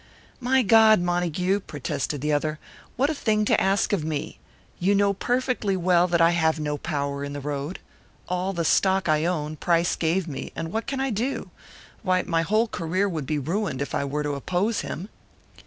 "My God, Montague!" protested the other. "What a thing to ask of me! You know perfectly well that I have no power in the road. All the stock I own, Price gave me, and what can I do? Why, my whole career would be ruined if I were to oppose him."